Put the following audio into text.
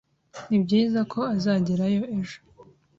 Nibyiza ko azagerayo ejo